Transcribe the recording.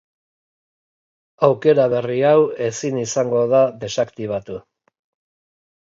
Aukera berri hau ezin izango da desaktibatu.